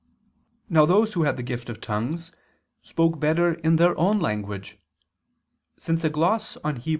Now those who had the gift of tongues spoke better in their own language; since a gloss on Heb.